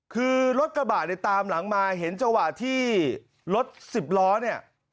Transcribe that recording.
คือรถกระบาดในตามหลังมาเห็นเจ้าหวะที่รถ๑๐ล้อเนี่ย